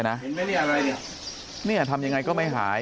เห็นไหมเนี่ยอะไรเนี่ยเนี่ยทำยังไงก็ไม่หาย